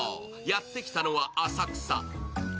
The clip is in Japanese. やってきたのは浅草。